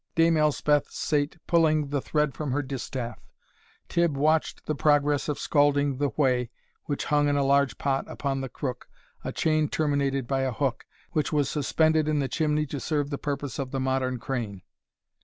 Dame Elspeth sate pulling the thread from her distaff; Tibb watched the progress of scalding the whey, which hung in a large pot upon the crook, a chain terminated by a hook, which was suspended in the chimney to serve the purpose of the modern crane.